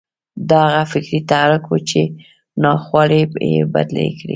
دا هغه فکري تحرک و چې ناخوالې یې بدلې کړې